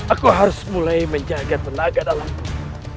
aku harus mulai menjaga tenaga dalammu